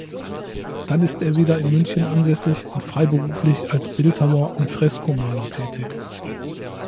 Dann ist er wieder in München ansässig und freiberuflich als Bildhauer und Freskomaler tätig.